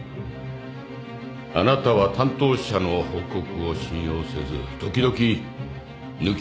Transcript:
あなたは担当者の報告を信用せず時々抜き打ちで調べていた。